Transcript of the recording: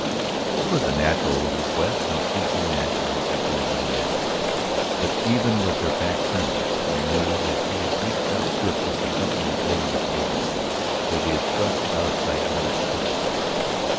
It was a natural request and she turned naturally to do what he asked. But, even with her back turned, she knew that he had reached out swiftly for something that lay on the table, that he had thrust it out of sight under his pillow.